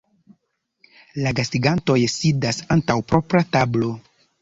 La gastigantoj sidas antaŭ propra tablo.